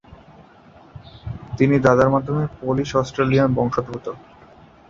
তিনি দাদার মাধ্যমে পোলিশ-অস্ট্রেলিয়ান বংশোদ্ভূত।